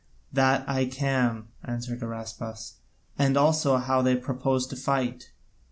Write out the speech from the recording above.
"That I can," answered Araspas, "and also how they propose to fight."